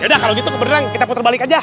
yaudah kalau gitu keberanian kita puter balik aja